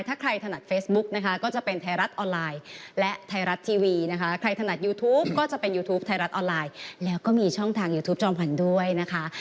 ถ้าใครถนัดเฟซบุ๊กนะคะก็จะเป็นไทยรัฐออนไลน์และไทยรัฐทีวีนะคะ